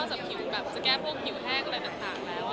ที่ช่วยจะแก้พวกผิวแห้งอะไรต่างแล้ว